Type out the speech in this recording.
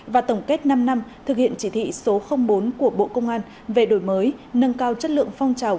và tổng kết năm năm thực hiện chỉ thị số bốn của bộ công an về đổi mới nâng cao chất lượng phong trào